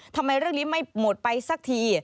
ทำไมเรื่องนี้ไม่หมดไปสักที